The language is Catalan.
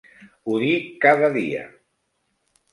Ho dic cada dia!